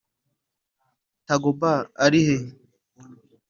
Tagbo ari he